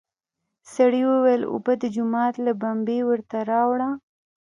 سړي وويل: اوبه د جومات له بمبې ورته راوړه!